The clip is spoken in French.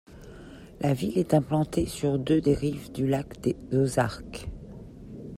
La ville est implantée sur deux des rives du lac des Ozarks.